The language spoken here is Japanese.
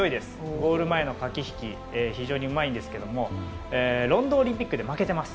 ゴール前の駆け引き非常にうまいんですがロンドンオリンピックで負けています。